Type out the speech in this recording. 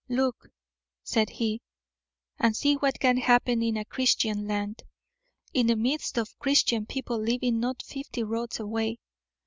"Look," said he, "and see what can happen in a Christian land, in the midst of Christian people living not fifty rods away.